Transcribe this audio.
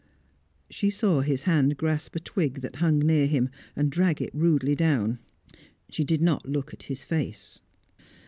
She saw his hand grasp a twig that hung near him, and drag it rudely down; she did not look at his face.